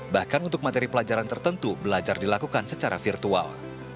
bahkan untuk materi pelajaran tertentu belajar dilakukan secara virtual